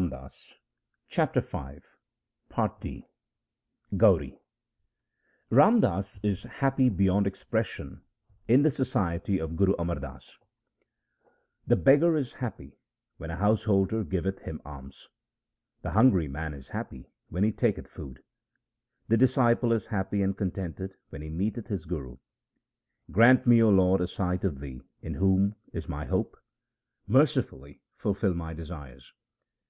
U 2 THE SIKH RELIGION Gauri Ram Das is happy beyond expression in the society of Guru Amar Das :— The beggar is happy when a householder giveth him alms ; The hungry man is happy when he taketh food ; The disciple is happy and contented when he meeteth his Guru. Grant me, O Lord, a sight of Thee in whom is my hope. Mercifully fulfil my desires.